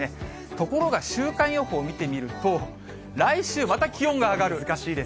ところが週間予報を見てみると、来週、また気温が上がる。